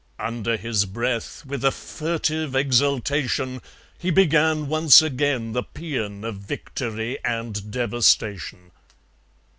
Under his breath, with a furtive exultation, he began once again the paean of victory and devastation.